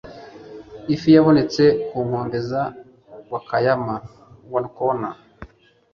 Ifi yabonetse ku nkombe za Wakayama. (oneconor)